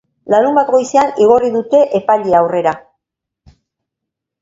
Larunbat goizean igorri dute epaile aurrera.